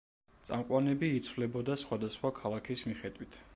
წამყვანები იცვლებოდა სხვადასხვა ქალაქის მიხედვით.